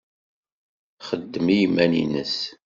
Txeddem i yiman-nnes.